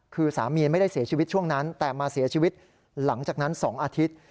คือสามีไม่ได้เสียชีวิตช่วงนั้นแต่มาเสียชีวิตหลังจากนั้น๒อาทิตย์